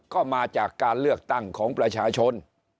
ก็มาจากการเลือกตั้งของประชาชน